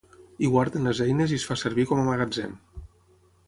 Hi guarden les eines i es fa servir com a magatzem.